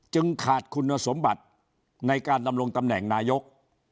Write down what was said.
ขาดคุณสมบัติในการดำรงตำแหน่งนายก